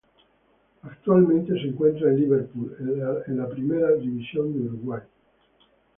Actualmente se encuentra en Liverpool de la Primera División de Uruguay.